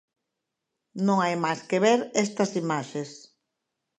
Non hai máis que ver estas imaxes.